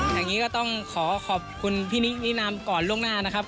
อย่างนี้ก็ต้องขอขอบคุณพี่นินามก่อนล่วงหน้านะครับ